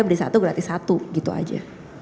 beli satu gratis satu gitu aja